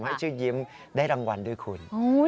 ให้ชื่อยิ้มได้รางวัลด้วยคุณ